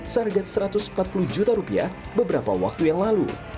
seharga satu ratus empat puluh juta rupiah beberapa waktu yang lalu